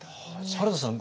原田さん